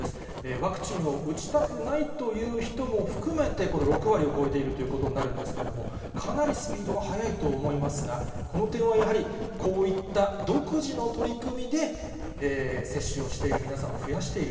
ワクチンを打ちたくないという人も含めて、これ、６割を超えているということになるんですけれども、かなりスピードが速いと思いますが、この点はやはりこういった独自の取り組みで、接種をしている皆さんを増やしている。